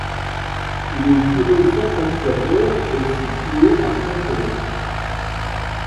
Le bureau centralisateur est situé à Quimper.